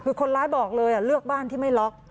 คือคนร้ายบอกเลยเลือกบ้านที่ไม่ล็อก